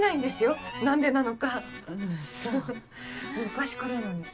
昔からなんです。